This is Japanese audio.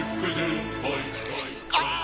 ああ！